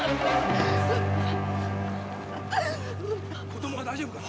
子供は大丈夫か？